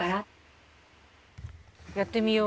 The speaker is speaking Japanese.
やってみよう。